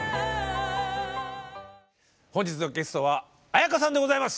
本日のゲストは絢香さんでございます。